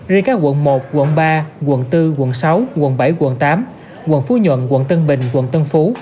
riêng các quận một quận ba quận bốn quận sáu quận bảy quận tám quận phú nhuận quận tân bình quận tân phú